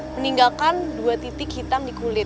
meninggalkan dua titik hitam di kulit